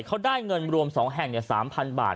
เขาได้เงินรวม๒แห่ง๓๐๐๐บาท